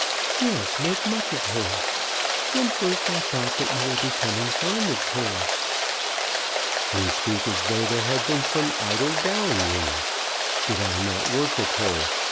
"Yes; make much of her! When first I thought that you were becoming fond of her." "You speak as though there had been some idle dallying. Did I not worship her?